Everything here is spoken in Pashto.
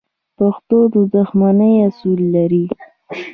پښتون د دښمنۍ اصول لري.